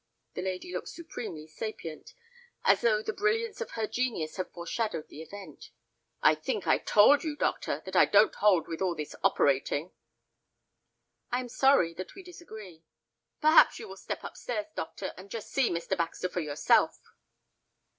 The lady looked supremely sapient, as though the brilliance of her genius had foreshadowed the event. "I think I told you, doctor, that I don't hold with all this operating." "I am sorry that we disagree." "Perhaps you will step up stairs, doctor, and just see Mr. Baxter for yourself."